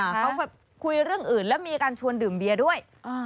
เขาแบบคุยเรื่องอื่นแล้วมีการชวนดื่มเบียร์ด้วย